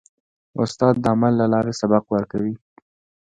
استاد د عمل له لارې سبق ورکوي.